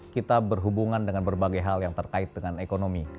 kita berhubungan dengan berbagai hal yang terkait dengan ekonomi